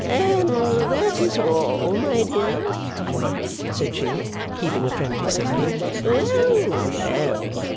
'And that is all, my dear?' said she, heaving a friendly sigh. 'Well, well!